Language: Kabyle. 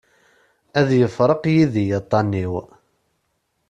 Ad yefreq yid-i aṭṭan-iw.